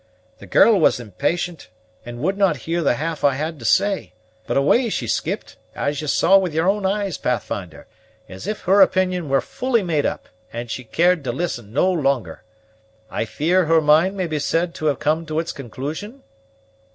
The girl was impatient, and would not hear the half I had to say; but away she skipped, as ye saw with your own eyes, Pathfinder, as if her opinion were fully made up, and she cared to listen no longer. I fear her mind may be said to have come to its conclusion?"